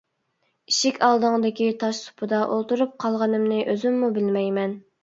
ئىشىك ئالدىڭدىكى تاش سۇپىدا ئولتۇرۇپ قالغىنىمنى ئۆزۈممۇ بىلمەيمەن.